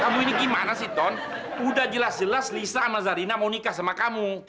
kamu ini gimana sih ton udah jelas jelas lisa sama zarina mau nikah sama kamu